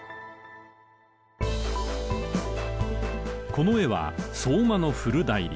この絵は「相馬の古内裏」。